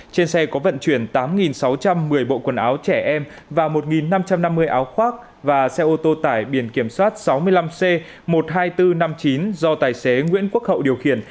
trên xe có vận chuyển tám sáu trăm một mươi bộ quần áo trẻ em và một năm trăm năm mươi áo khoác và xe ô tô tải biển kiểm soát sáu mươi năm c một mươi hai nghìn bốn trăm năm mươi chín do tài xế nguyễn quốc hậu điều khiển